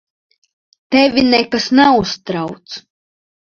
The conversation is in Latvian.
Tevi nekas neuztrauc.